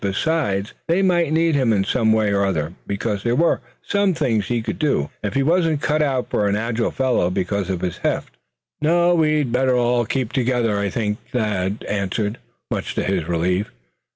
Besides, they might need him in some way or other; because there were some things he could do, if he wasn't cut out for an agile fellow because of his heft. "No, we'd better all keep together, I think?" Thad answered, much to his relief.